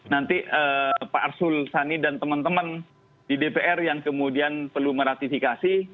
nanti pak arsul sani dan teman teman di dpr yang kemudian perlu meratifikasi